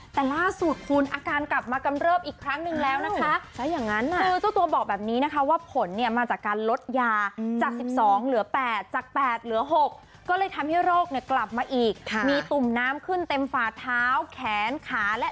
แต่ล่าสู่คนอาการกลับมากำเนิบอีกครั้งหนึ่งแล้วนะคะ